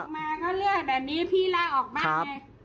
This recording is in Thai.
พี่ออกมาก็เลือกแบบนี้พี่ลากออกบ้านเนี่ย